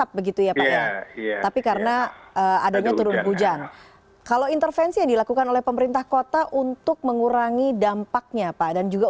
tetapi sebagian sudah datang ke sekolah